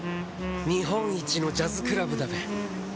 日本一のジャズクラブだべ。